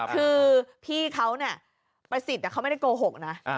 คือพี่เค้าประสิทธิ์เค้าไม่ได้โกหกนะ